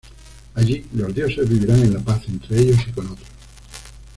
Allí, los dioses vivirán en la paz entre ellos y con otros.